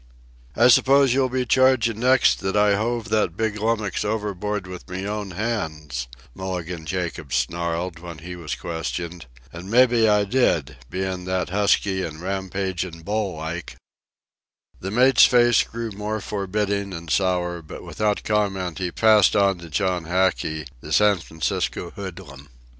"I suppose you'll be chargin' next that I hove that big lummux overboard with me own hands," Mulligan Jacobs snarled, when he was questioned. "An' mebbe I did, bein' that husky an' rampagin' bull like." The mate's face grew more forbidding and sour, but without comment he passed on to John Hackey, the San Francisco hoodlum.